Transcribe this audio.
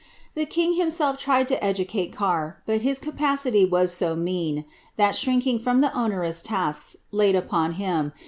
The king himself tried to educate Carr, but his capacity was so mean, that, shrinking from the onerous tasks laiil upon liim.